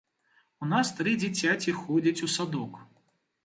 У нас тры дзіцяці ходзяць у садок.